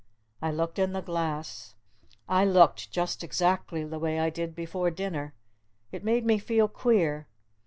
I looked in the glass. I looked just exactly the way I did before dinner. It made me feel queer.